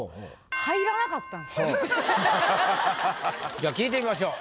じゃあ聞いてみましょう。